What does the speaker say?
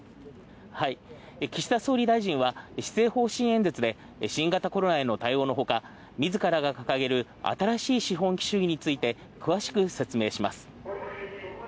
岸田総理は、施政方針演説で新型コロナへの対応のほか自らが掲げる新しい資本主義について詳しく説明します。